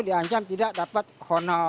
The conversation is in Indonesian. diangcam tidak dapat hono